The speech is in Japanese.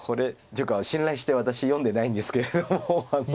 っていうか信頼して私読んでないんですけれども。